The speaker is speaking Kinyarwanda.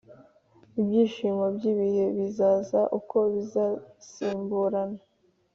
ibyishimo by’ibihe bizaza, uko bizasimburana.